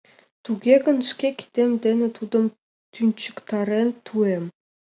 Туге гын, шке кидем дене тудым тӱнчыктарен тӱэм.